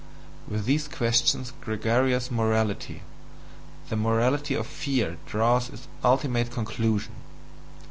with these questions gregarious morality, the morality of fear, draws its ultimate conclusion.